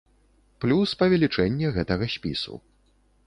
Плюс павелічэнне гэтага спісу.